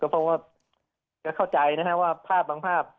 ก็เพราะว่าเข้าใจนะฮะว่าภาพบางภาพ